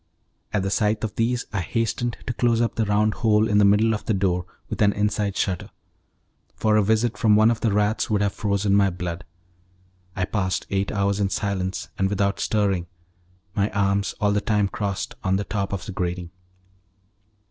At the sight of these I hastened to close up the round hole in the middle of the door with an inside shutter, for a visit from one of the rats would have frozen my blood. I passed eight hours in silence and without stirring, my arms all the time crossed on the top of the grating.